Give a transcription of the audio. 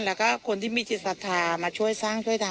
แล้วก็คนที่มีจิตศรัทธามาช่วยสร้างช่วยทำ